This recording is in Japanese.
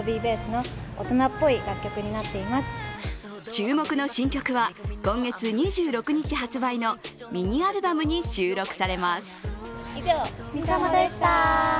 注目の新曲は今月２６日発売のＭＩＮＩＡＬＢＵＭに収録されます。